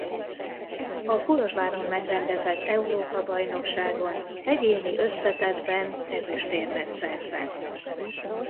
A Kolozsváron megrendezett Európa-bajnokságon egyéni összetettben ezüstérmet szerzett.